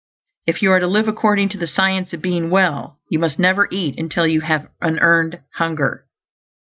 If you are to live according to the Science of Being Well, you must NEVER EAT UNTIL YOU HAVE AN EARNED HUNGER.